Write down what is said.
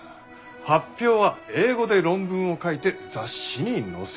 発表は英語で論文を書いて雑誌に載せる。